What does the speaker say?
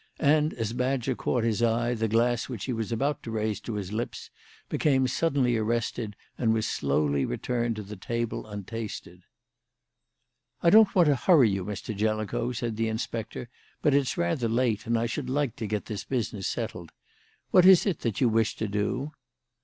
And as Badger caught his eye, the glass which he was about to raise to his lips became suddenly arrested and was slowly returned to the table untasted. "I don't want to hurry you, Mr. Jellicoe," said the inspector, "but it's rather late, and I should like to get this business settled. What is it that you wish to do?"